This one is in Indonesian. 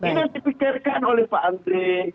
ini yang dipikirkan oleh pak andri